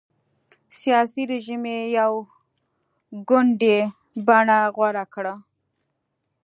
سیاسي رژیم یې یو ګوندي بڼه غوره کړه.